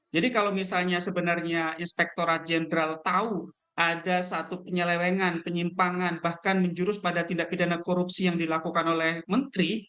jadi kalau misalnya sebenarnya inspektora jenderal tahu ada satu penyelewengan penyimpangan bahkan menjurus pada tindak pidana korupsi yang dilakukan oleh menteri